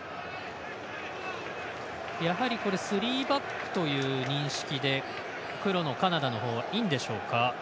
やはりスリーバックという認識で黒のカナダのほうはいいんでしょうか。